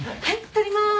撮ります。